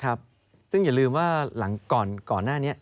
ครับซึ่งอย่าลืมว่าหลังก่อนหน้านี้